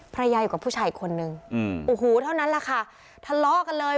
ภรรยาอยู่กับผู้ชายอีกคนนึงอืมโอ้โหเท่านั้นแหละค่ะทะเลาะกันเลย